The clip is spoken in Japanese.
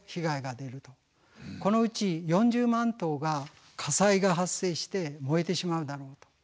このうち４０万棟が火災が発生して燃えてしまうだろうと。